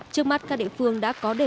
trước mắt các địa phương đã có đề phương